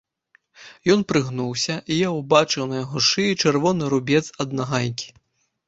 Ён прыгнуўся, і я ўбачыў на яго шыі чырвоны рубец ад нагайкі.